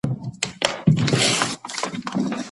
موږ به دا پانګه په سمه توګه وکاروو.